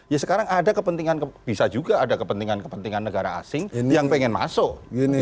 ya sekarang ada kepentingan bisa juga ada kepentingan kepentingan negara asing yang pengen masuk